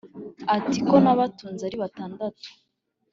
ati: Ko nabatunze ari batandatu,